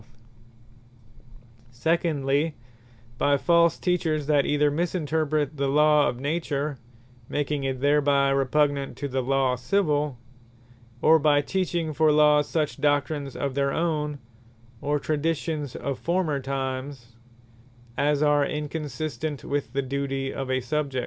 False Teachers Mis interpreting The Law Of Nature Secondly, by false Teachers, that either mis interpret the Law of Nature, making it thereby repugnant to the Law Civill; or by teaching for Lawes, such Doctrines of their own, or Traditions of former times, as are inconsistent with the duty of a Subject.